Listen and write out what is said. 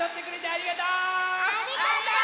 ありがとう！